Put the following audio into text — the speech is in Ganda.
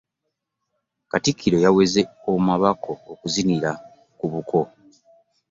Katikkiro yaweze omabako okuzinira ku buko.